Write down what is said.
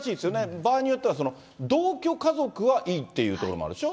場合によっては、同居家族はいいっていうところもあるんでしょ？